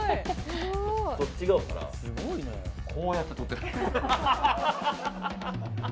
こっち側からこう撮ってる。